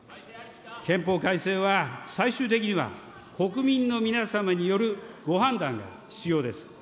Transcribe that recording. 憲法改正は最終的には、国民の皆様によるご判断が必要です。